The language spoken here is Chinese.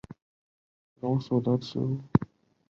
石榕树是桑科榕属的植物。